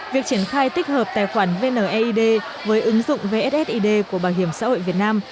việc triển khai tích hợp tài khoản vneid với ứng dụng vssid của bảo hiểm xã hội việt nam